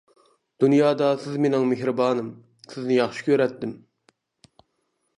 دۇنيادا سىز مېنىڭ مېھرىبانىم، سىزنى ياخشى كۆرەتتىم.